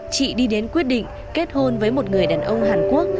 chị đi đến quyết định kết hôn với một người đàn ông hàn quốc